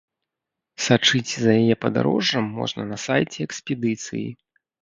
Сачыць за яе падарожжам можна на сайце экспедыцыі.